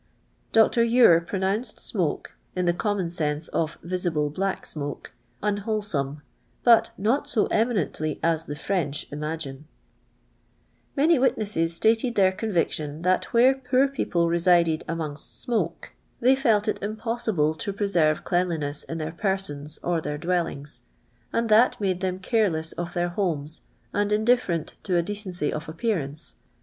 Dr. Ure pronounced smoke, in the common sense of visible black smoke, un wholesome, but " not so eminently as the French imagine." Many witnesses stated their conviction that where poor people resided amongst smoke, they \ 3 1 2 LOXDOX LADOrR AXD THE 10X00^' POOH. ftflt it irapos»iMc to preserve clcanlineAA in their perit'uis or their dwellintfs, and that niailc them cari'Ii^sii of their htimes and indifferent to a decency nf appi'arjinoi'.